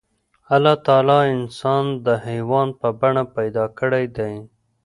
الله تعالی انسان د حيوان په بڼه پيدا کړی دی.